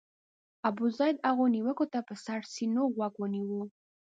ابوزید هغو نیوکو ته په سړه سینه غوږ ونیو.